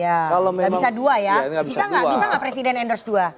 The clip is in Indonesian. ya gak bisa dua ya bisa gak presiden endorse dua